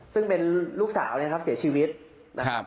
ซึ่งเป็นลูกสาวเนี่ยครับเสียชีวิตนะครับ